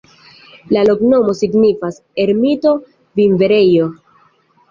La loknomo signifas: ermito-vinberejo.